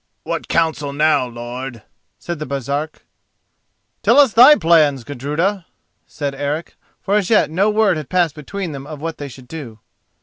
"What counsel now, lord?" said the Baresark. "Tell us thy plans, Gudruda," said Eric, for as yet no word had passed between them of what they should do.